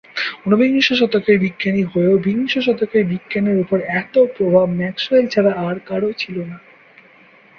উনবিংশ শতকের বিজ্ঞানী হয়েও বিংশ শতকের বিজ্ঞানের উপর এতো প্রভাব ম্যাক্সওয়েল ছাড়া আর কারো ছিল না।